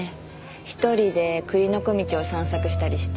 １人で栗の小径を散策したりして。